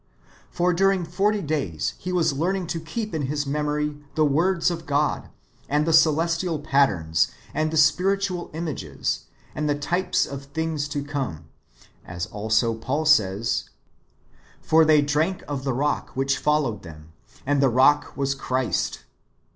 ^ For during forty days He was learning to keep [in his memory] the words of God, and the celestial patterns, and the spiritual images, and the types of things to come ; as also Paul says :" For they drank of the rock which followed them : and the rock was Christ."